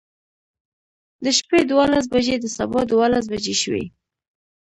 د شپې دولس بجې د سبا دولس بجې شوې.